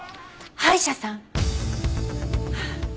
歯医者さん！